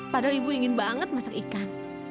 padahal ibu ingin banget masak ikan